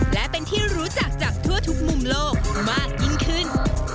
และเป็นที่รู้จักจากทั่วทุกมุมโลกมากยิ่งขึ้น